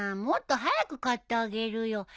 もっと早く買ってあげるよ。